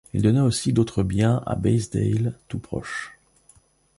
Il donna aussi d'autres biens à Baysdale, tout proche.